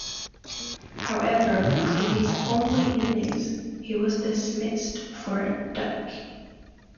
However, in his only innings, he was dismissed for a duck.